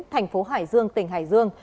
thành phố hải dương tỉnh hải dương